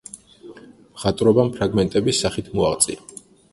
მხატვრობამ ფრაგმენტების სახით მოაღწია.